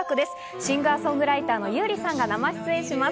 シンガー・ソングライターの優里さんが生出演します。